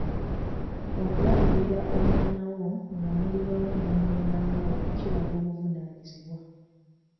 Okulabirira omwana wo nga muli wamu n'omwagalwa wo kiraga buvunaanyizibwa.